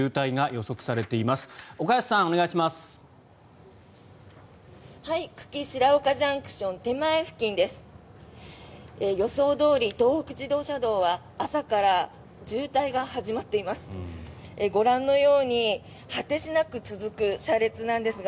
予想どおり東北自動車道は朝から渋滞が始まっています。